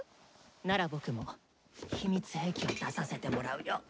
なら僕も秘密兵器を出させてもらうよ！